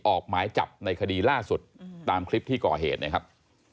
ออกหมายจับในคดีล่าสุดตามคลิปที่ก่อเหตุนะครับ